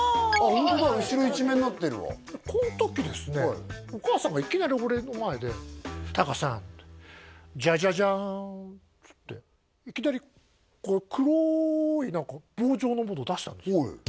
ホントだ後ろ一面になってるわこの時ですねお母さんがいきなり俺の前で「貴さんジャジャジャーン」っつっていきなりこう黒い何か棒状のものを出したんですよ